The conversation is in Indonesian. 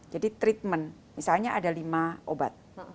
jadi treatment misalnya ada lima obat